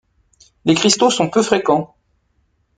Les cristaux sont peu fréquents.